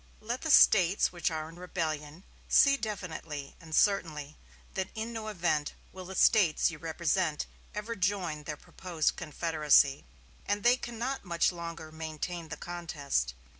"Let the States which are in rebellion see definitely and certainly that in no event will the States you represent ever join their proposed confederacy, and they cannot much longer maintain the contest.